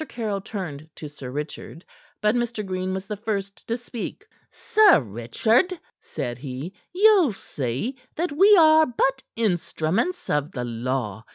Caryll turned to Sir Richard. But Mr. Green was the first to speak. "Sir Richard," said he, "you'll see that we are but instruments of the law.